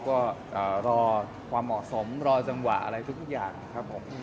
ก็รอความเหมาะสมรอจังหวะอะไรทุกอย่างครับผม